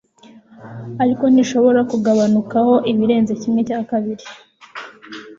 ariko ntishobora kugabanukaho ibirenze kimwe cya kabiri